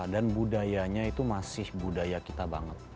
dan budayanya itu masih budaya kita banget